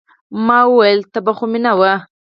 ما وويل يه تبه خو مې نه وه.